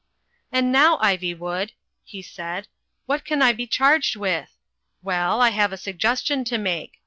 "And now, Ivywood," he said, "what can I be charged with? Well, I have a suggestion to make.